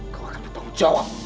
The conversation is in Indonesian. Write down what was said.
kau akan bertanggung jawab